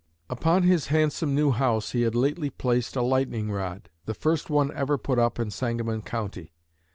Upon his handsome new house he had lately placed a lightning rod, the first one ever put up in Sangamon County.